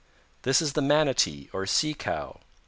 This is the Manatee or Sea Cow.